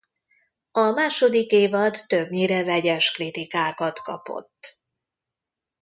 A második évad többnyire vegyes kritikákat kapott.